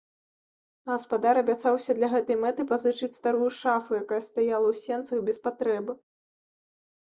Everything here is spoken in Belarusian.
Гаспадар абяцаўся для гэтай мэты пазычыць старую шафу, якая стаяла ў сенцах без патрэбы.